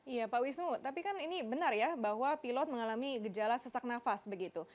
iya pak wisnu tapi kan ini benar ya bahwa pilot mengalami gejala sesak nafas begitu